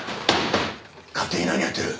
勝手に何やってる！